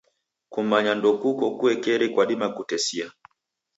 Kumanya ndokuko kuekeri kwadima kutesia.